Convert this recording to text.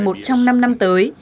một trong năm năm tới